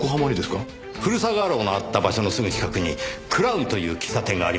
古澤画廊のあった場所のすぐ近くにクラウンという喫茶店があります。